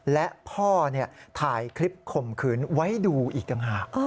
และพ่อถ่ายคลิปข่มขืนไว้ดูอีกต่างหาก